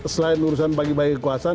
selain urusan bagi bagi kekuasaan